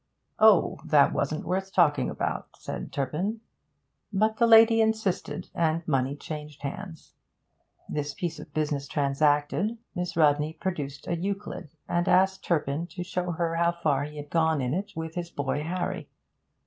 Oh! that wasn't worth talking about, said Turpin; but the lady insisted, and money changed hands. This piece of business transacted, Miss Rodney produced a Euclid, and asked Turpin to show her how far he had gone in it with his boy Harry.